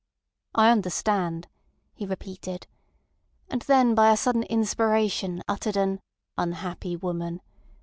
"I understand," he repeated, and then by a sudden inspiration uttered an—"Unhappy woman!"